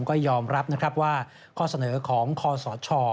ก็ยอมรับว่าข้อเสนอของข้อสอดช่อ